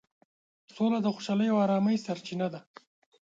سوله د خوشحالۍ او ارامۍ سرچینه ده.